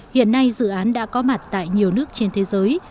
hiện nay dự án đã có mặt tại nhiều nước trên thế giới